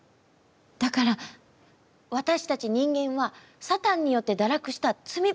だから私たち人間はサタンによって堕落した罪深い存在なの。